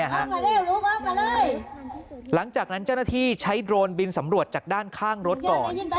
หลังจากนั้นเจ้าหน้าที่ใช้โดรนบินสำรวจจากด้านข้างรถก่อน